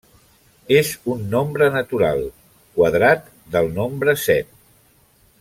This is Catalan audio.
És un nombre natural, quadrat del nombre set.